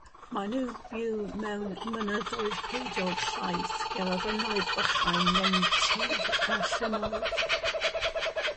Maen nhw'n byw mewn mynyddoedd coediog llaith ger afonydd bychain, nentydd a llynnoedd.